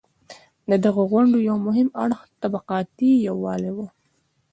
د دغو غونډو یو مهم اړخ طبقاتي یووالی و.